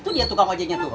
itu dia tukang ojeknya tuh